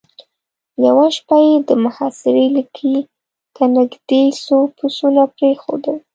يوه شپه يې د محاصرې ليکې ته نېزدې څو پسونه پرېښودل.